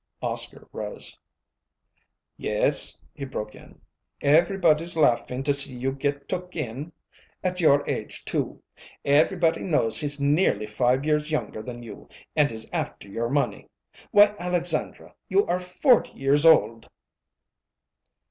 Oscar rose. "Yes," he broke in, "everybody's laughing to see you get took in; at your age, too. Everybody knows he's nearly five years younger than you, and is after your money. Why, Alexandra, you are forty years old!"